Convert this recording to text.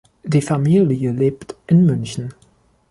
Die Familie lebt in München.